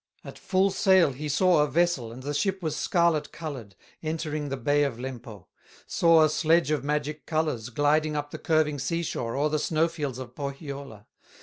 At full sail, he saw a vessel, And the ship was scarlet colored, Entering the bay of Lempo; Saw a sledge of magic colors, Gliding up the curving sea shore, O'er the snow fields of Pohyola.